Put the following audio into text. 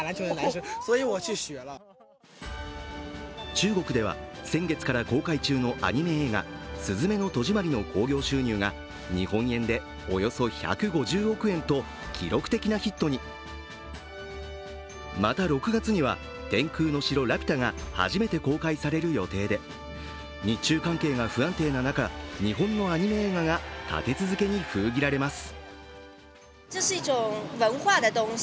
中国では先月から公開中のアニメ映画、「すずめの戸締まり」の興行収入が日本円でおよそ１５０億円と記録的なヒットにまた６月には「天空の城ラピュタ」が初めて公開される予定で、日中関係が不安定な中、日本のアニメ映画が立て続けに封切られます。